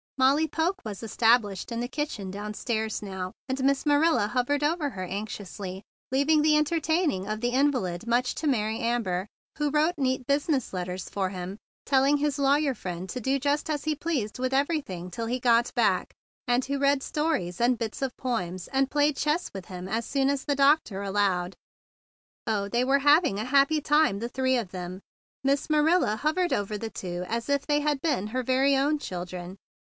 Molly Poke was established in the kitchen down stairs now, and Miss Ma¬ nila hovered over her anxiously, leav¬ ing the entertaining of the invalid much to Mary Amber, who wrote neat busi¬ ness letters for him, telling his lawyer friend to do just as he pleased with everything till he got back; and who read stories and bits of poems, and played chess with him as soon as the doctor allowed. Oh, they were having a happy time, the three of them! Miss Marilla hovered over the two as if they had been her very own children.